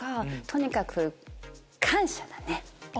とにかく感謝だね。